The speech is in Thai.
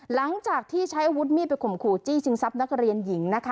หลังจากที่ใช้อาวุธมีดไปข่มขู่จี้ชิงทรัพย์นักเรียนหญิงนะคะ